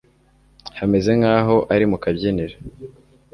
hameze nkaho ari mukabyiniro